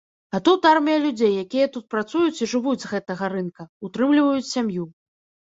А тут армія людзей, якія тут працуюць і жывуць з гэтага рынка, утрымліваюць сям'ю.